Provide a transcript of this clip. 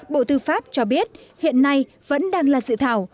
bộ tư pháp cho biết hiện nay vẫn đang là dự thảo